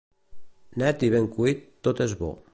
Net i ben cuit, tot és bo.